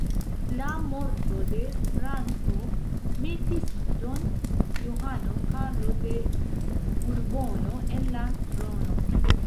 La morto de Franco metis Don Johano Karlo de Burbono en la trono.